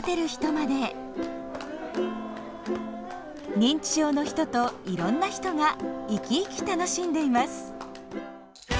認知症の人といろんな人が生き生き楽しんでいます。